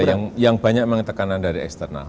yang banyak memang tekanan dari eksternal